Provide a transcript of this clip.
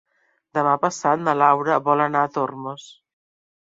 Demà passat na Laura vol anar a Tormos.